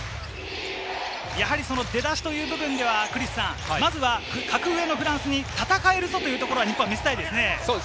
出だしという部分では、格上のフランスに戦えるぞというところを日本を見せたいですよね。